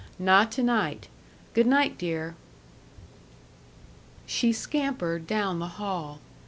Not to night.... Good night, dear." She scampered down the hall.